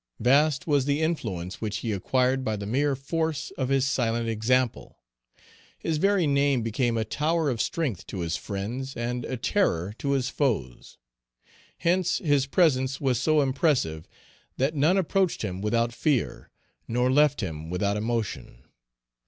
Vast was the influence which he acquired by the mere force of his silent example. His very name became a tower of strength to his friends and a terror to his foes. Hence his presence was so impressive that none approached him without fear, nor left him without emotion.